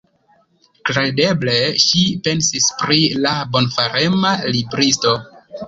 Kredeble ŝi pensis pri la bonfarema libristo.